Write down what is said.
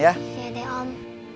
iya deh om